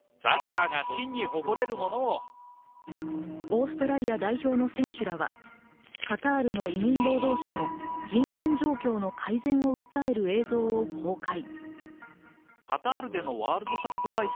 オーストラリア代表の選手らがカタールの移民労働者の人権状況の改善を訴える映像を公開。